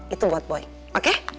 itu buat boy oke